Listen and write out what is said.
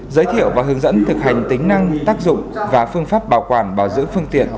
giới thiệu và hướng dẫn thực hành tính năng tác dụng và phương pháp bảo quản bảo dưỡng phương tiện